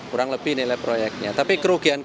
kurang lebih nilai proyeknya